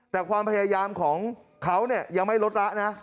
แต่ความพยายามของเขายังไม่ลดละนะ